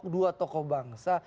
dua tokoh bangsa